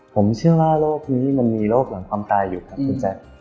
ผมเชื่อว่าโรคนี้มันมีโรคหลังความตายอยู่ครับคุณแจ๊ค